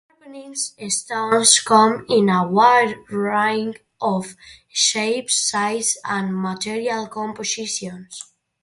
Sharpening stones come in a wide range of shapes, sizes, and material compositions.